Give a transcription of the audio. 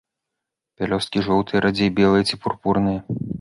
Пялёсткі жоўтыя, радзей белыя ці пурпурныя.